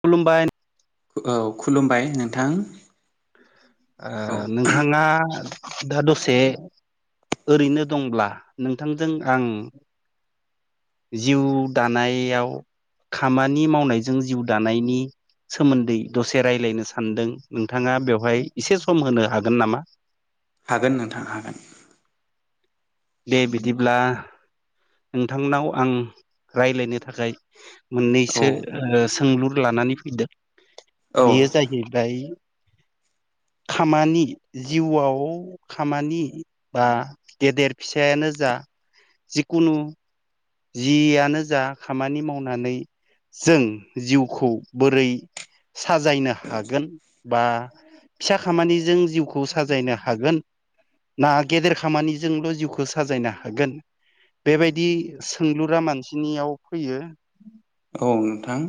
खुलुमबाय। औ खुलुमबाय नोंथां। ओ औ नोंथाङा दा दसे ओरैनो दंब्ला नोंथांजों आं जिउ दानायाव खामानि मावनायजों जिउ दानायनि सोमोन्दै दसे रायज्लायनो सानदों नोंथाङा बेवहाय एसे सम होनो हागोन नामा? हागोन नोंथां हागोन। दे बिदिब्ला नोंथांनाव आं राय्लायनो थाखाय औ मोननैसो ओ सोंलुर लानानै फैदों औ बेयो जाहै बाय खामानि जिउआव खामानि बा गेदेर फिसायानो जा जिखुनु जियानो जा खामानि मावनानै जों जिउखौ बोरै साजायनो हागोन बा फिसा खामानिजों जिउखौ साजायनो हागोन ना गेदेर खामानिजोंल' जिउखौ साजायनो हागोन बेबायदि सोंलुरा मानसिनियाव फैयो औ नोंथां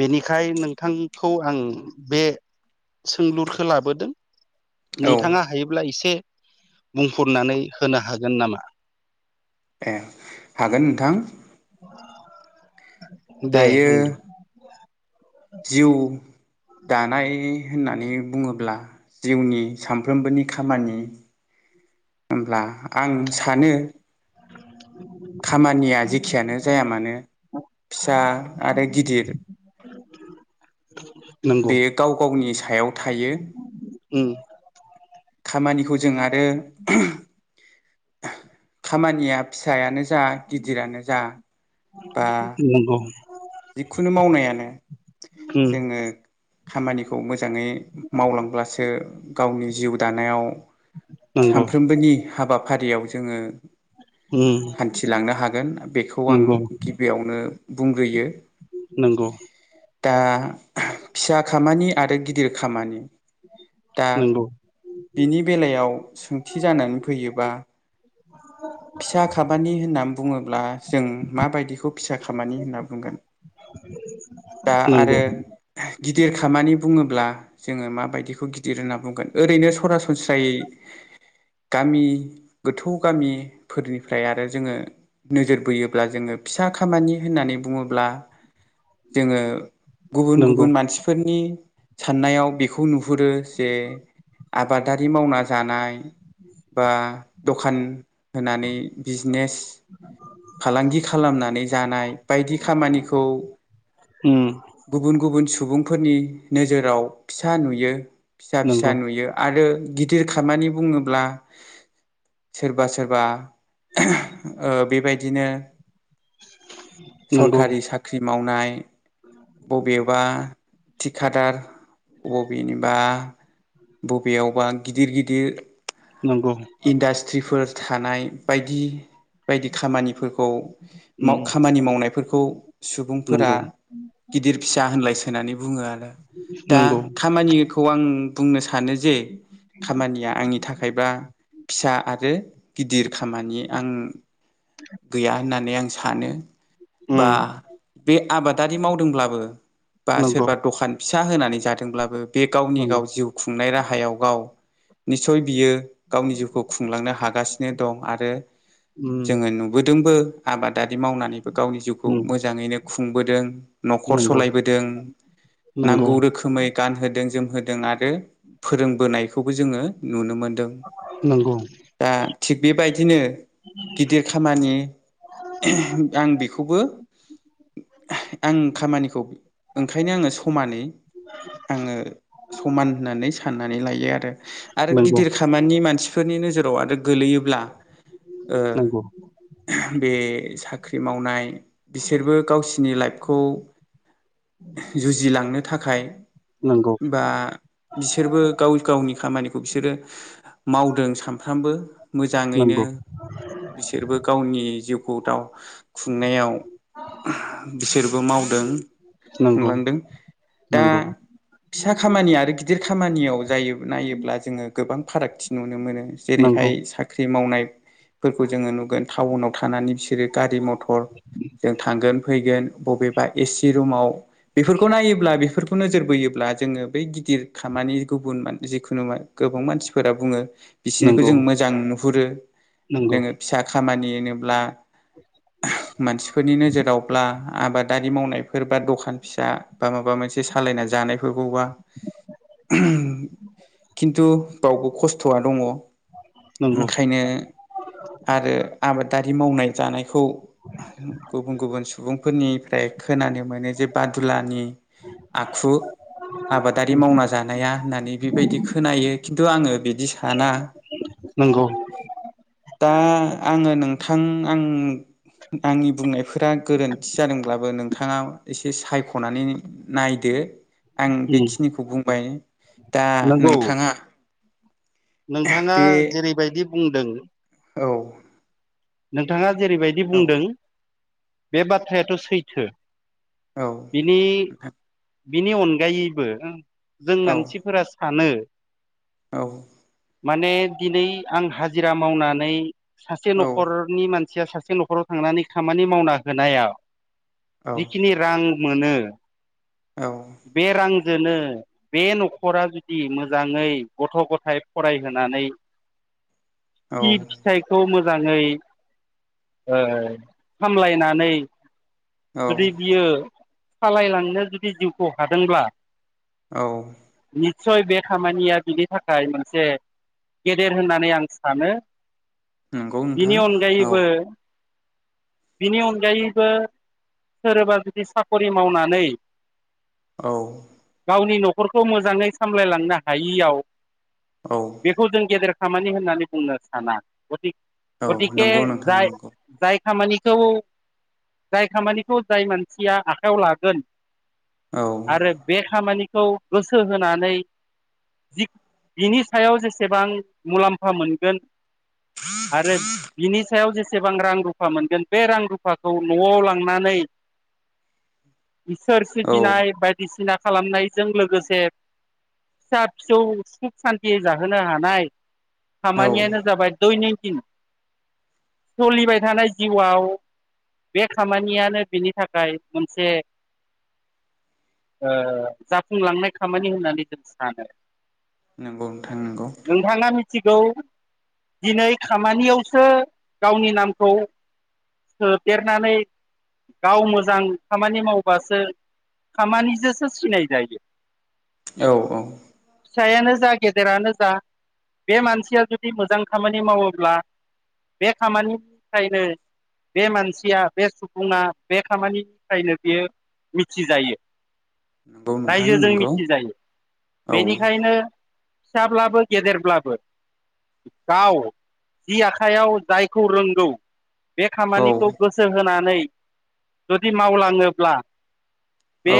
बेनिखाय नोंथांखौ आं बे सोंलुरखौ लाबोदों औ नोंथाङा हायोब्ला एसे बुंफुरनानै होनो हागोन नामा? ए हागोन नोंथां। दे दायो बुंदो जिउ दानाय होननानै बुङोब्ला जिउनि सामफ्रोमबोनि खामानि होमब्ला आं सानो खामानिया जेखियानो जाया मानो फिसा आरो गिदिर [inaudible] बेयो गाव गावनि सायाव थायो उम खामानिखौ जों आरो [unintelligible] खामानिआ फि सायानो जा गिदिरानो जा बा नंगौ जिखुनु मावनायानो उम जोङो खामानिखौ मोजाङै मावलांब्लासो गावनि जिउ दानायाव नंगौ सानफ्रोमबोनि हाबाफारियाव जोङो उम हान्थिलांनो हागोन बेखौ आं नंगौ गिबियावनो बुंग्रोयो नंगौ दा फिसा खामानि आरो गिदिर खामानि दा नंगौ बिनि बेलायाव सोंथि जानानै फैयोबा [inaudible] फिसा खामानि होननानै बुङोब्ला जों माबायदिखौ फिसा खामानि होनना बुंगोन दा नंगौ आरो गिदिर खामानि बुङोब्ला जोङो माबायदिखौ गिदिर होनना बुंगोन ओरैनो सरासनस्रायै गामि गोथौ गामिफोरनिफ्राय आरो जोङो। नोजोर बोयोब्ला जोङो फिसा खामानि होननानै बुङोब्ला। जोङो गुबुन नंगौ गुबुन मानसिफोरनि साननायाव बेखौ नुहुरो जे आबादारि मावना जानाय। बा दखान होनानै बिजनेस फालांगि खालामनानै जानाय बायदि खामानिखौ उम गुबुन गुबुन सुबुंफोरनि नोजोराव फिसा नुयो फिसा फिसा नंगौ नुयो आरो। गिदिर खामानि बुङोब्ला सोरबा सोरबा बेबायदिनो नोंगौ सरखारि साख्रि मावनाय बबेबा थिखादार बबेनिबा बबेयावबा गिदिर गिदिर नंगौ जिफोर थानाय बायदि बायदि खामानिफोरखौ उम खामानि मावनायफोरखौ सुबुंफोरा नंगौ गिदिर फिसा होनलायसोनानै बुङो आरो। दा नंगौ खामानिखौ आं बुंनो सानो जे खामानिया आंनि थाखायबा फिसा आरो गिदिर खामानि आं गैया होननानै आं सानो बा उम बे आबादारि मावदोंब्लाबो बा नंगौ सोरबा दखान फिसा होनानै जादोंब्लाबो बे गावनि नंगौ गाव जिउ खुंनाय राहायाव गाव निस्सय बियो गावनि जिउखौ खुंलांनो हागासिनो दं आरो उम जोङो नुबोदोंबो आबादारि मावनानैबो गावनि जिउखौ उम मोजाङैनो खुंबोदों नख'र नंगौ सलायबोदों नंगौ नांगौ रोखोमै गानहोदों जोम होदों आरो फोरोंबोनायखौबो जोङो नुनो मोनदों नंगौ दा थिग बेबायदिनो गिदिर खामानि आं बेखौबो [inaudible] आं खामानिखौ ओंखायनो आङो समानै आङो समान होननानै सान साननानै लायो आरो आरो नंगौ गिदिर खामानि मानसिफोरनि नोजोराव आरो गोलैयोब्ला ओ नंगौ नंगौ बे साख्रि मावनाय बिसोरबो गावसिनि लाइफखौ जुजिलांनो थाखाय नंगौ बा बिसोरबो गाव गावनि खामानिखौ बिसोरो मावदों सानफ्रामबो मोजाङैनो नंगौ बिसोरबो गावनि जिउखौ दाव खुंनायाव बिसोरबो मावदों नंगौ खुंलांदों दा नंगौ फिसा खामानि आरो गिदिर खामानियाव जायो नायोब्ला जोङो गोबां फाराग फारागथि नुनो मोनो नंगौ जेरैहाय साख्रि मावनाय फोरखौ जोङो नुगोन टाउनाव थानानै बिसोरो गारि मथर जों थांगोन फैगोन बबेबा एसि रुमाव बेफोरखौ नायोब्ला बेफोरखौ नोजोर होयोब्ला जोङो बै गिदिर खामानि गुबुन जिखुनु गोबां मानसिफोरा बुङो बिसिनिखौ जों मोजां नुहुरो नंगौ नोङो फिसा खामानि होनोब्ला [inaudible] मानसिफोरनि नोजोरावब्ला आबादारि मावनायफोर बा दखान फिसा बा माबा मोनसे सालायना जा। जानायफोरखौबा। खिन्थु बावबो खस्थ'वा दङ नंगौ ओंखायनो आरो आबादारि आरि मावनाय जानायखौ गुबुन गुबुन सुबुंफोरनिफ्राय खोनानो मोनो जे बादुलानि आखु आबादारि मावना जानाया होननानै बेबायदि खोनायो खिन्थु आङो बिदि बिदि साना नंगौ दा आङो नोंथां आं आंनि बुंनायफोरा गोरोन्थि जादोंब्लाबो नोंथाङा एसे सायख'नानै नायदो आं उम बेखिनिखौ बुंबाय दा नंगौ नोंथाङा नोंथाङा बे जेरैबायदि बुंदों औ नोंथाङा जेरैबायदि औ बुंदों बे बाथ्रायाथ' सैथो औ बिनि नोंथां बिनि अनगायैबो जों मानसिफोरा सानो औ माने दिनै आं हाजिरा मावनानै सासे न' नि मानसिया सासे न'खराव थांनानै खामानि मावना होनायाव जिखिनि रां मोनो बे रां जोनो बे न'खरा जुदि मोजाङै गथ' गथाय फरायहोनानै [unintelligible] फिथाइखौ मो मोजाङै ओ सामलायनानै जुदि बियो सालायलांनो जुदि जिउखौ हादोंब्ला औ सय बे खामानिया बिनि थाखाय मोनसे गेदेर होननानै आं सानो नंगौ बिनि नोंथां औ अनगायैबो बिनि अनगायैबो सोरबा जुदि साखरि मावनानै औ खर खौ मोजाङै सामलायलांनो हायियाव औ बेखौ जों गेदेर खामानि होननानै बुंनो साना गथि औ गथिके नंगौ नोंथां जाय नंगौ जाय खामानिखौ जाय खामानिखौ जाय मानसिया आखायाव लागोन औ आरो बे खामानिखौ गोसो होनानै [unintelligible] बिनि सायाव जेसेबां मुलाम्फा मोनगोन आरो बिनि सायाव जेस सेबां रां रुफा मोनगोन बे रां रुफाखौ न'आव लांनानै। इसोर औ सिबिनाय बायदिसिना खालामनायजों लोगोसे। फिसा फिसौ सुख सान्थियै जाहोनो हानाय औ खामानियानो जाबाय दयनिक किन सलिबाय थानाय जिउआव बे खामानियानो बिनि थाखाय मोनसे ओ जाफुंलांनाय खामानि होननानै जों सानो नंगौ नोंथां नंगौ सिगौ दिनै खामानियावसो गावनि नामखौ सोबदेरनानै गाव मोजां खामानि मावबासो खामानिजोसो सिनाय जायो औ औ फिसायानो जा गेदेरानो जा बे मानसिया जुदि मोजां खामानि मावोब्ला बे खामानि थायनो बे मानसिया बे सुबुङा बे खामानिफ्रायनो बियो मिथिजायो। नंगौ नोंथां रायजोजों नंगौ मिथिजायो औ बेनिखायनो फिसाब्लाबो गेदेरब्लाबो गाव जि आखाइयाव जायखौ रोंगौ बे औ खामानिखौ गोसो होनानै जुदि मावलाङोब्ला बे औ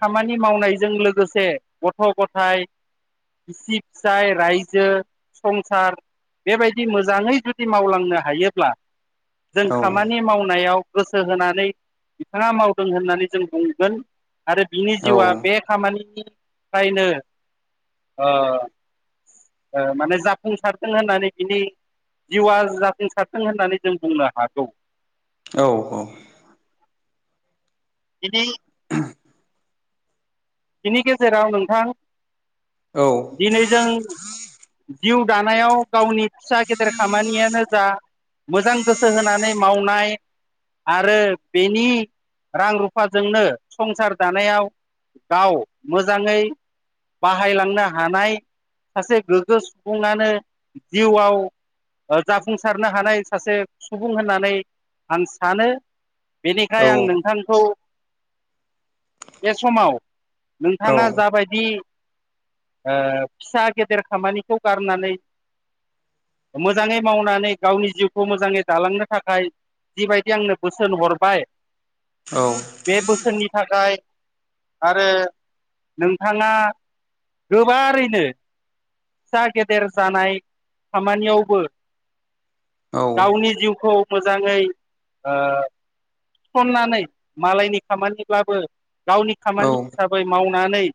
खामानि मावनायजों लोगोसे गथ' गथाय बिसि फिसाय रायजो संसार। बेबायदि मोजाङै जुदि मावलांनो हायोब्ला। जों औ खामानि मावनायाव गोसो होनानै बिथाङा मावदों होननानै जों बुंगोन आरो बिनि जिउआ औ बे खामानि नि खायनो ओ माने जाफुंसारदों होननानै बिनि जिउआ जाफुंसारथों होननानै जों बुंनो हागौ औ औ बिदि बिनि गेजेराव नोंथां औ दिनै जों जिउ दानायाव गावनि फिसा गेदेर खामानियानो जा मोजां गोसो होनानै मावनाय आरो बेनि रां रुफाजोंनो संसार जानायाव गाव मोजाङै बाहायलांनो हानाय सासे गोग्गो सुबुङानो जिउआव जाफुंसारनो हानाय सासे सुबुं होननानै आं सानो बेनिखाय औ आं नोंथांखौ बे समाव नोंथाङा जाबायदि ओ फिसा गेदेर खामानिखौ गारनानै मोजाङै मावनानै गावनि जिउखौ मोजाङै दालांनो थाखाय जिबायदि आंनो बोसोन हरबाय बे बोसोननि थाखाय आरो नोंथाङा गोबारैनो फिसा गेदेर जानाय खामानियावबो गावनि जिउखौ मोजाङै ओ थिसननानै मालायनि खामानिब्लाबो गावनि खामानि हिसाबै मावनानै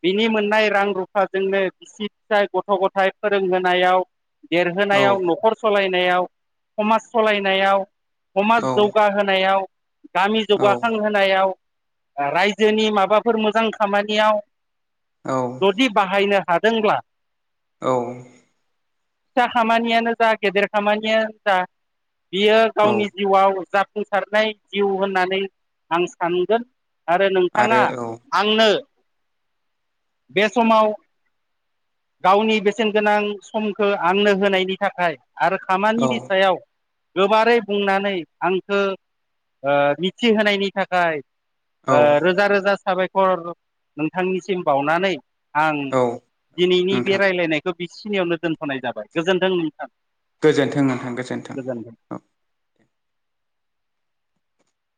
[inaudible] बिनि मोननाय रां रुफाजोंनो बिसि फिसाय गथ' गथाय फोरोंहोनायाव देरहोनायाव न'खर सलायनायाव समाज सलायनायाव समाज जौगाहोनायाव गामि जौगाखांहोनायाव रायजोनि माबाफोर मोजां खामानियाव जुदि बाहायनो हादोंब्ला औ फिसा खामानियानो जा गेदेर खामानियानो जा बियो औ गावनि औ जिउआव जाफुंसारनाय जिउ होननानै आं सानगोन आरो नोंथाङा आंनो बे समाव गावनि बेसेन गोनां समखौ आंनो होनायनि थाखाय आरो औ खामानिनि सायाव गोबारै बुंनानै आं खौ ओ मिथिहोनायनि थाखाय औ ओ रोजा रोजा साबायखर नोंथांनिसिम बावनानै आं औ दिनैनि बे नोंथां रायज्लायनाय खौ बिखिनियावनो दोनथ'नाय जाबाय गोजोन्थों नोंथां गोजोन्थों नोंथां गोजोन्थों औ